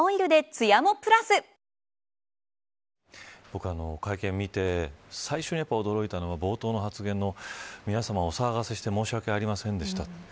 僕は会見を見て最初に驚いたのが、冒頭の発言の皆さまお騒がせして申し訳ありませんでした。